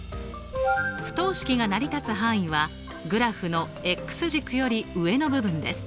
不等式が成り立つ範囲はグラフの軸より上の部分です。